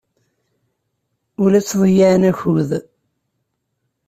Ur la ttḍeyyiɛen akud.